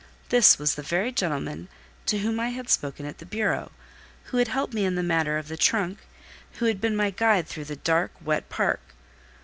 This was the very gentleman to whom I had spoken at the bureau; who had helped me in the matter of the trunk; who had been my guide through the dark, wet park.